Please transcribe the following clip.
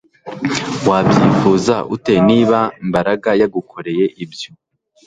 Wabyifuza ute niba Mbaraga yagukoreye ibyo